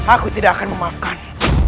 aku tidak akan memaafkan